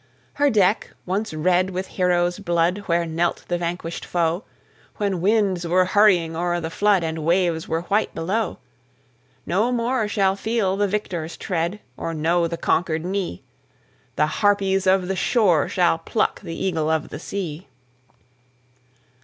Her deck, once red with heroes' blood, Where knelt the vanquished foe, When winds were hurrying o'er the flood And waves were white below. No more shall feel the victor's tread, Or know the conquered knee; The harpies of the shore shall pluck The eagle of the sea!